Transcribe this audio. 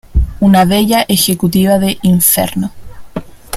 Una bella ejecutiva de Inferno.